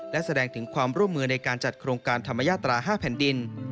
และแสดงถึงความร่วมมือในการจัดโครงการธรรมยาตรา๕แผ่นดิน